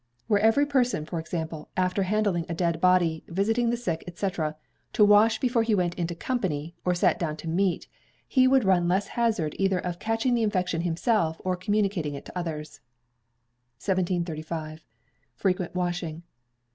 Were every person, for example, after handling a dead body, visiting the sick, &c., to wash before he went into company, or sat down to meat, he would run less hazard either of catching the infection himself, or communicating it to others. 1735. Frequent Washing.